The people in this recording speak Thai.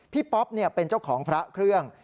ป๊อปเป็นเจ้าของพระเครื่อง